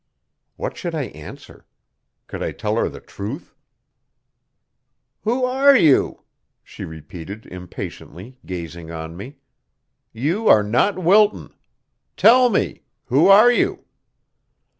What should I answer? Could I tell her the truth? "Who are you?" she repeated impatiently, gazing on me. "You are not Wilton. Tell me. Who are you?"